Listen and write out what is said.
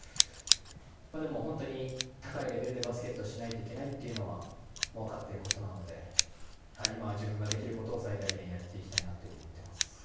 でも、本当に高いレベルでバスケットをしないといけないとはもう分かってることなので今は自分ができることを最大限やっていきたいなと思っています。